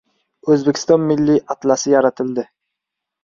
O‘zbekiston Milliy atlasi yaratildi